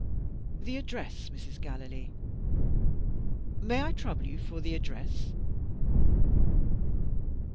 The address, Mrs. Gallilee may I trouble you for the address?"